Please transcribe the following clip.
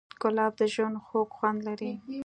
ګلاب د ژوند خوږ خوند لري.